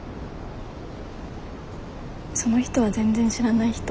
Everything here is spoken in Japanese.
その人は全然知らない人。